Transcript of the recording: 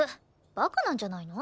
バカなんじゃないの？